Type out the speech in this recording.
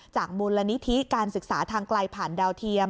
มูลนิธิการศึกษาทางไกลผ่านดาวเทียม